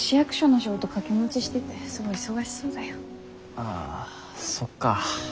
ああそっか。